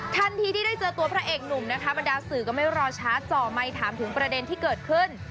ทันทีที่ได้เจอตัวพระเอกหนุ่มนะคะบรรดาสื่อก็ไม่รอช้าจ่อไมค์ถามถึงประเด็นที่เกิดขึ้น